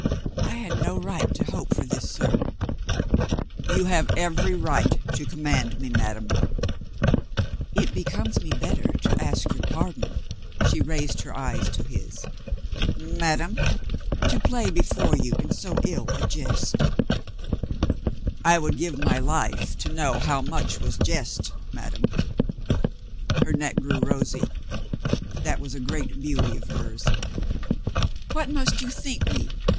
"I had no right to hope for this, sir." "You have ever the right to command me, ma dame." "It becomes me better to ask your pardon." She raised her eyes to his. "Madame?" "To play before you in so ill a jest." COLONEL STOW AGAIN INSPIRED 63 "I would give my life to know how much was jest, madame." Her neck grew rosy (that was a great beauty of hers), "What must you think me?"